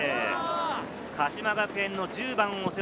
鹿島学園の１０番を背負